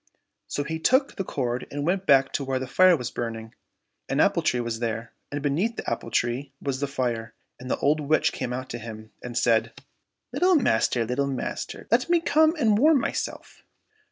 So he took the cord and went back to where the fire was burning. An apple tree was there, and beneath the apple tree was the fire, and the old witch came out to him and said, " Little master ! little master ! let me come and warm myself."